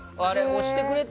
押してくれた？